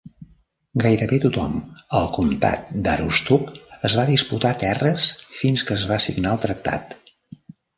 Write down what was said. Gairebé tothom, al comtat d'Aroostook, es va disputar terres fins que es va signar el tractat.